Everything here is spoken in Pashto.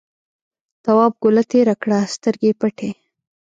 تواب گوله تېره کړه سترګې یې پټې.